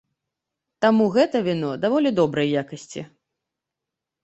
Таму гэта віно даволі добрай якасці.